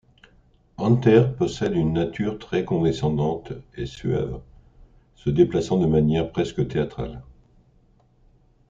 Enter possède une nature très condescendante et suave, se déplaçant de manière presque théâtrale.